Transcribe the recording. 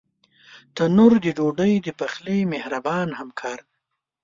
تنور د ډوډۍ د پخلي مهربان همکار دی